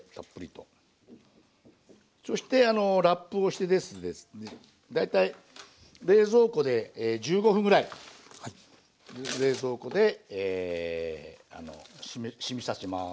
そしてラップをしてですね大体冷蔵庫で１５分ぐらい冷蔵庫でしみさせます。